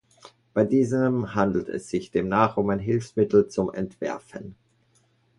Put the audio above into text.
Bei diesem handelt es sich demnach um ein Hilfsmittel zum Entwerfen.